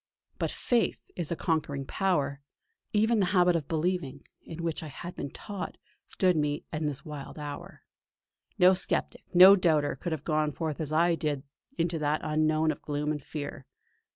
But Faith is a conquering power; even the habit of believing, in which I had been taught, stood to me in this wild hour. No sceptic, no doubter, could have gone forth as I did into that unknown of gloom and fear.